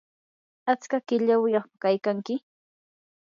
¿atska qilayyuqku kaykanki?